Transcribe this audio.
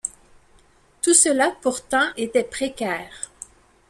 Tout cela pourtant était précaire.